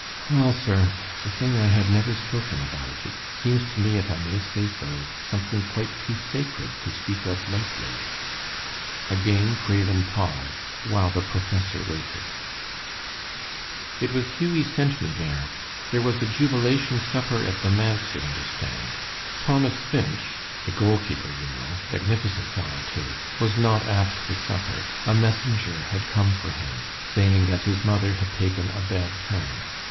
"Well, sir, it's a thing I have never spoken about. It seems to me, if I may say so, something quite too sacred to speak of lightly." Again Craven paused, while the professor waited. "It was Hughie sent me there. There was a jubilation supper at the manse, you understand. Thomas Finch, the goal keeper, you know magnificent fellow, too was not at the supper. A messenger had come for him, saying that his mother had taken a bad turn.